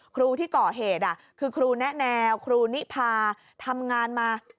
ครูที่ก่อเหตุคือครูแนะแนวครูนิพาทำงานมา